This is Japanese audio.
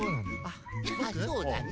あっそうだね。